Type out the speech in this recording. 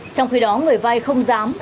trong khi đó người vai không dám